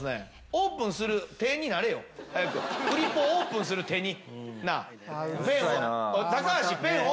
オープンする手になれよフリップをオープンする手に！